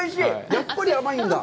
やっぱり甘いんだ。